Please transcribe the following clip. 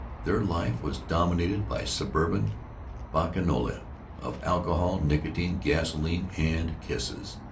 Their life was dominated by suburban bacchanalia of alcohol, nicotine, gasoline, and kisses.